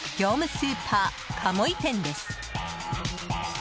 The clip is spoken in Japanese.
スーパー鴨居店です。